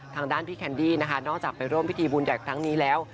ทางด้านพี่แคนดี้นะคะนอกจากไปร่วมพิธีบุญใหญ่ครั้งนี้แล้ว